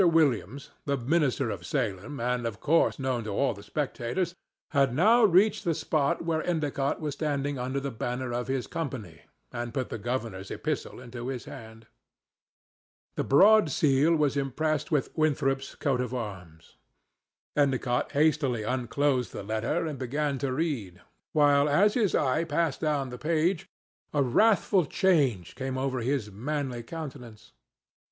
Williams, the minister of Salem, and of course known to all the spectators, had now reached the spot where Endicott was standing under the banner of his company, and put the governor's epistle into his hand. The broad seal was impressed with Winthrop's coat of arms. Endicott hastily unclosed the letter and began to read, while, as his eye passed down the page, a wrathful change came over his manly countenance.